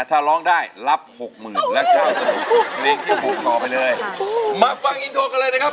ถ้าร้องได้รับหกหมื่นแล้วก็เพลงที่ถูกต่อไปเลยมาฟังอินโทรกันเลยนะครับ